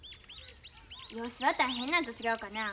養子は大変なんと違うかなあ。